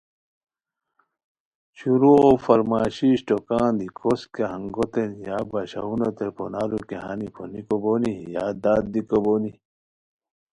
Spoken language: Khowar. شروعو فارمائیشی اِشٹوکا دی کوس کیہ ہنگوتین یا باشونوتین پھونارو کی ہائے پھونیکو بونی یا داد دیکو بونی